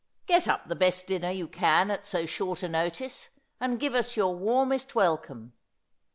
Get up the best dinner you can at so short a notice, and give us your warmest welcome.